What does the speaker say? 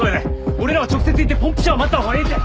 俺らは直接行ってポンプ車を待ったほうがええて。